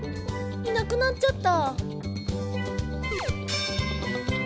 いなくなっちゃった！